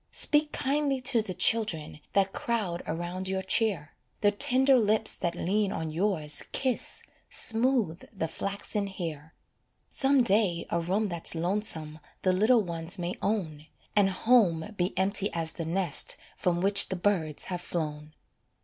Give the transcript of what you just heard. Speak kindly to the children That crowd around your chair, The tender lips that lean on yours Kiss, smooth the flaxen hair; Some day a room that's lonesome The little ones may own, And home be empty as the nest From which the birds have flown.